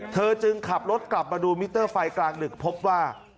เธอจึงขับรถกลับมาดูมิเตอร์ไฟกลางดึกพบว่า